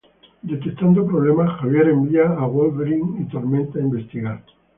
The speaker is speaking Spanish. Detectando problemas, Xavier envía a Wolverine y Tormenta a investigar.